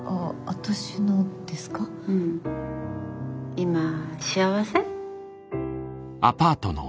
今幸せ？